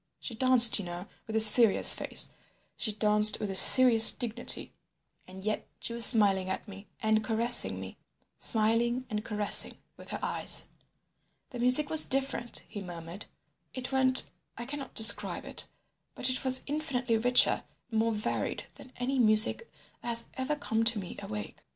She danced, you know, with a serious face; she danced with a serious dignity, and yet she was smiling at me and caressing me—smiling and caressing with her eyes. "The music was different," he murmured. "It went—I cannot describe it; but it was infinitely richer and more varied than any music that has ever come to me awake.